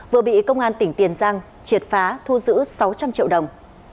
vừa bị công an tỉnh tiền giang triệt phá thu giữ sáu trăm linh triệu đồng